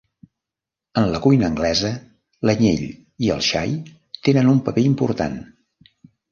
En la cuina anglesa l'anyell i el xai tenen un paper important.